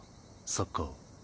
サッカーを。